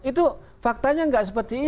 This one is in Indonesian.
itu faktanya gak seperti itu